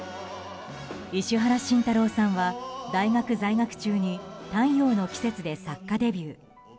石原慎太郎さんは大学在学中に「太陽の季節」で作家デビュー。